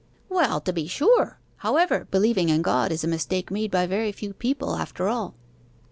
'Well, to be sure! However, believing in God is a mistake made by very few people, after all.